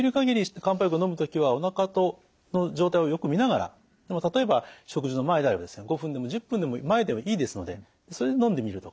漢方薬をのむ時はおなかの状態をよく見ながら例えば食事の前であれば５分でも１０分でも前でいいですのでそれでのんでみるとか。